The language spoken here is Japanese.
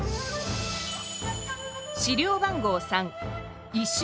資料番号